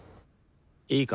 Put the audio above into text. いいか